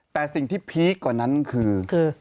แต่สิ่งที่พีคกว่านั้นคือ